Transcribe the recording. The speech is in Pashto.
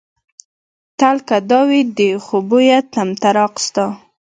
تل که دا وي د خوبيه طمطراق ستا